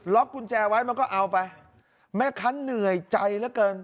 กุญแจไว้มันก็เอาไปแม่ค้าเหนื่อยใจเหลือเกิน